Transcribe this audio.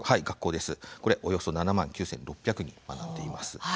およそ７万９６００人が学んでいます。